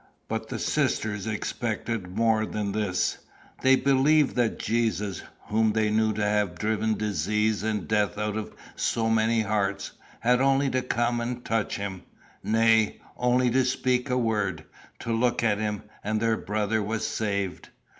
But the sisters expected more than this: they believed that Jesus, whom they knew to have driven disease and death out of so many hearts, had only to come and touch him nay, only to speak a word, to look at him, and their brother was saved.